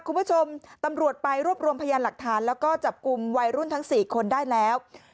คุณผู้ชมตำรวจไปรวบรวมพยานหลักฐานแล้วก็จับกลุ่มวัยรุ่นทั้ง๔คนได้แล้ว